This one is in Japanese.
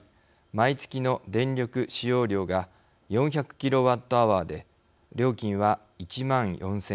毎月の電力使用量が４００キロワットアワーで料金は１万４０００円。